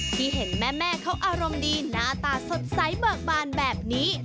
ที่เห็นแม่เขาอารมณ์ดีหน้าตาสดใสเบิกบานแบบนี้